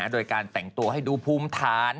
โดยการแต่งตัวให้ดูภูมิฐาน